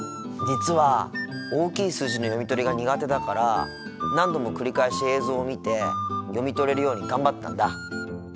実は大きい数字の読み取りが苦手だから何度も繰り返し映像を見て読み取れるように頑張ったんだ。